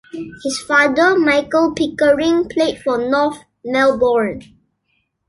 His father, Michael Pickering, played for North Melbourne.